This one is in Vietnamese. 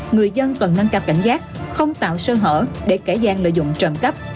người dân cần nâng cấp cảnh giác không tạo sơ hở để kẻ gian lợi dụng trọng cấp